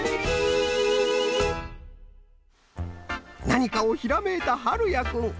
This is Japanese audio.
なにかをひらめいたはるやくん。